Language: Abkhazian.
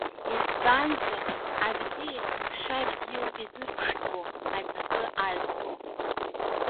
Избанзар, абзиа есымша абзиа ауп изырԥшӡо, аҵакы азҭо.